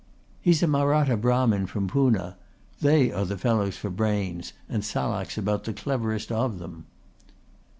"He's a Mahratta Brahmin from Poona. They are the fellows for brains, and Salak's about the cleverest of them."